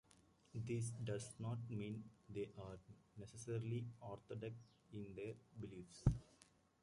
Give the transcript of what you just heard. This does not mean they are necessarily orthodox in their beliefs.